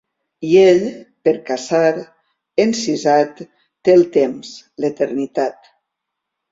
I ell, per caçar, encisat, té el temps, l’eternitat.